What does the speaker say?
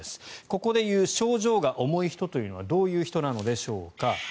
ここで言う症状が重い人というのはどういう人なんでしょうか。